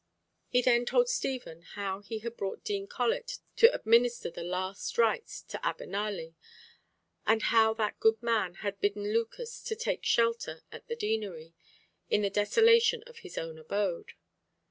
He then told Stephen how he had brought Dean Colet to administer the last rites to Abenali, and how that good man had bidden Lucas to take shelter at the Deanery, in the desolation of his own abode.